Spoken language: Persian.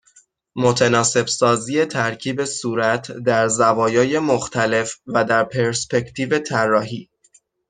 متناسب سازی ترکیب صورت در زوایای مختلف و در پرسپکتیو طراحی